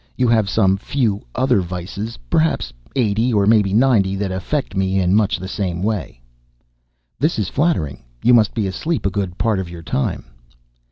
You have some few other vices perhaps eighty, or maybe ninety that affect me in much the same way." "This is flattering; you must be asleep a good part of your time."